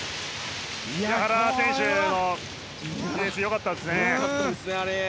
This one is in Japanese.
原選手のディフェンス良かったですね。